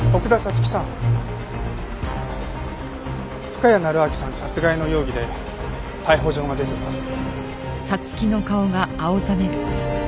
深谷成章さん殺害の容疑で逮捕状が出ています。